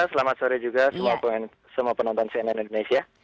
selamat sore mbak raditya selamat sore juga semua penonton cnn indonesia